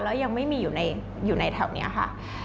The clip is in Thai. แล้วยังไม่มีอยู่ในแถวนี้ค่ะ